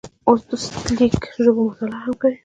اوس د سلټیک ژبو مطالعه هم کوي.